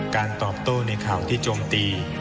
การตอบโต้ในข่าวที่โจมตี